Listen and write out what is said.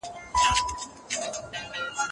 موږ باید له تیرو زده کړه وکړو.